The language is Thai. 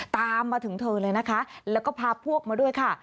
ตามมาถึงเธอเลยนะคะแล้วก็พาพวกมาด้วยค่ะ